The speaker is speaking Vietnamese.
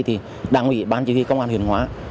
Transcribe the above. thì đảng ủy ban chỉ huy công an huyền hóa